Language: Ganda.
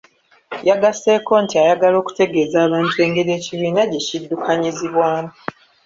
Yagasseeko nti ayagala okutegeeza abantu engeri ekibiina gye kiddukanyizibwamu.